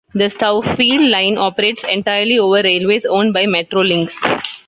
The Stouffville line operates entirely over railways owned by Metrolinx.